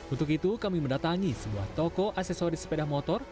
untuk itu kami mendatangi sebuah toko aksesoris sepeda motor